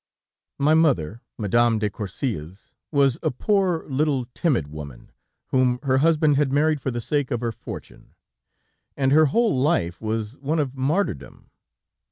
"My mother, Madame de Courcils, was a poor little timid woman, whom her husband had married for the sake of her fortune, and her whole life was one of martyrdom.